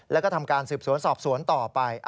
แล้วก็ทำการสืบสวนสอบสวนต่อไป